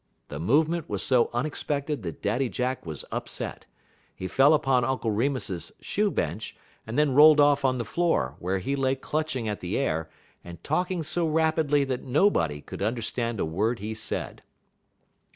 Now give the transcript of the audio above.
The movement was so unexpected that Daddy Jack was upset. He fell upon Uncle Remus's shoe bench, and then rolled off on the floor, where he lay clutching at the air, and talking so rapidly that nobody could understand a word he said.